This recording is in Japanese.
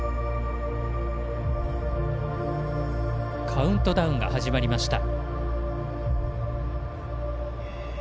カウントダウンが始まりました。